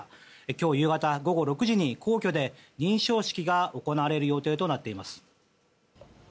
今日夕方午後６時に皇居で認証式が行われる予定となっています。